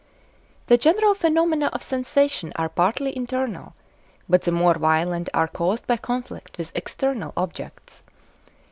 The general phenomena of sensation are partly internal, but the more violent are caused by conflict with external objects.